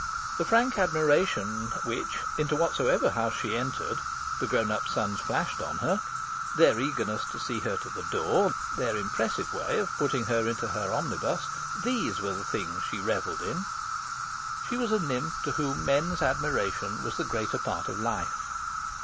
The frank admiration which, into whatsoever house she entered, the grown up sons flashed on her; their eagerness to see her to the door; their impressive way of putting her into her omnibus these were the things she revelled in. She was a nymph to whom men's admiration was the greater part of life.